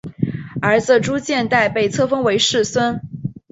儿子朱健杙被册封为世孙。